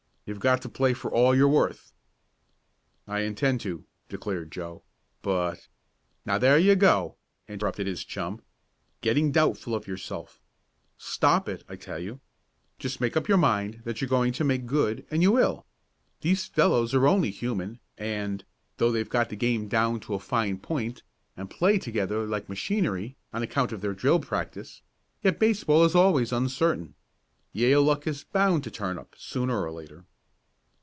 You've got to play for all you're worth." "I intend to," declared Joe, "but " "Now there you go!" interrupted his chum. "Getting doubtful of yourself. Stop it, I tell you! Just make up your mind that you're going to make good and you will. These fellows are only human, and, though they've got the game down to a fine point, and play together like machinery, on account of their drill practice, yet baseball is always uncertain. Yale luck is bound to turn up sooner or later."